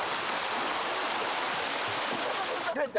どうやった？